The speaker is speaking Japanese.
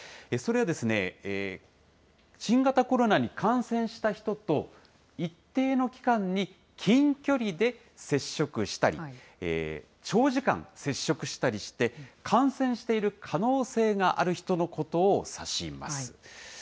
それは、新型コロナに感染した人と一定の期間に、近距離で接触したり、長時間接触したりして、感染している可能性がある人のことを指します。